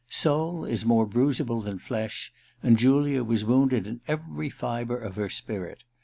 Soul is more bruisable than flesh, and Julia was wounded in every fibre of her spirit.